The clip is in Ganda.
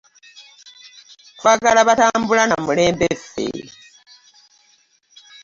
Twagala batambula na mulembe ffe.